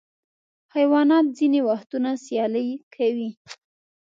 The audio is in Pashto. حیوانات ځینې وختونه سیالۍ کوي.